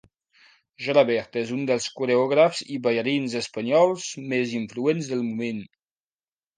Gelabert és un dels coreògrafs i ballarins espanyols més influents del moment.